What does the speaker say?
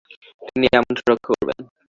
তিনি এই আমন্ত্রণ রক্ষা করেন।